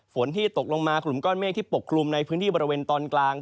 ฝนที่ตกลงมากลุ่มก้อนเมฆที่ปกคลุมในพื้นที่บริเวณตอนกลาง